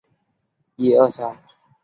张凤翙人。